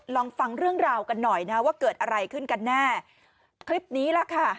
ลองฟังเรื่องราวกันหน่อยนะว่าเกิดอะไรขึ้นกันแน่คลิปนี้ล่ะค่ะ